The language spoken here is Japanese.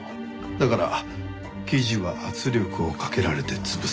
だから記事は圧力をかけられて潰された。